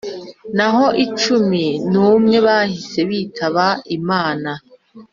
naho cumi n umwe bahise bitaba Imana.